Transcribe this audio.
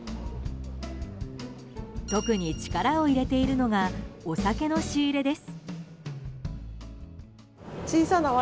特に力を入れているのがお酒の仕入れです。